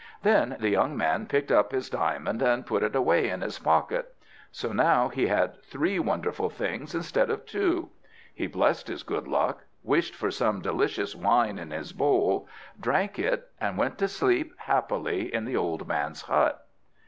Then the young man picked up his diamond and put it away in his pocket. So now he had three wonderful things instead of two. He blessed his good luck, wished for some delicious wine in his bowl, drank it, and went to sleep happily, in the old man's hut.